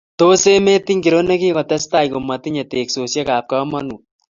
Tos emet ngiro ne kikotsetai komatinyei teksosiek ab kamanut?